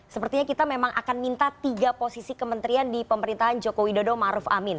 sepertinya kita memang akan minta tiga posisi kementerian di pemerintahan joko widodo maruf amin